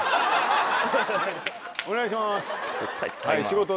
お願いします。